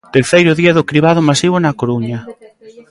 Terceiro día do cribado masivo na Coruña.